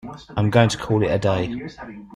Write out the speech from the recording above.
I'm going to call it a day.